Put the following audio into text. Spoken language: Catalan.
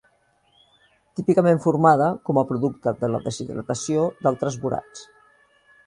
Típicament formada com a producte de la deshidratació d'altres borats.